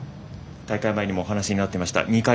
大会前にもお話になっていました